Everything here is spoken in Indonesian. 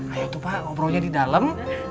ayo tuh pak ngobrolnya di dalam